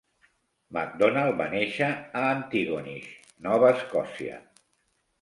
MacDonald va néixer a Antigonish, Nova Escòcia.